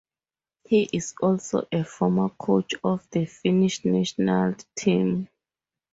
He is also a former coach of the Finnish national team.